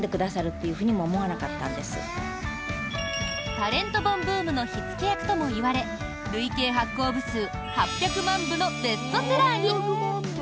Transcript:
タレント本ブームの火付け役ともいわれ累計発行部数８００万部のベストセラーに！